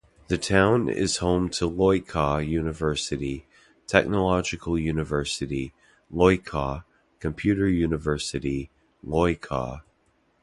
The town is home to Loikaw University, Technological University, Loikaw, Computer University, Loikaw.